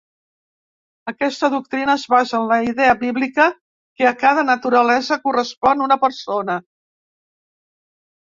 Aquesta doctrina es basa en la idea bíblica que a cada naturalesa correspon una persona.